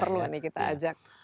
perlu nih kita ajak